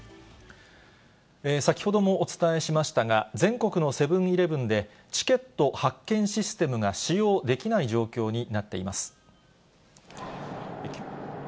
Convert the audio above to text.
先ほどもお伝えしましたが、全国のセブンーイレブンで、チケット発券システムが使用できない状況になっています。